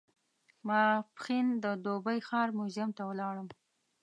ماپښین د دوبۍ ښار موزیم ته ولاړم.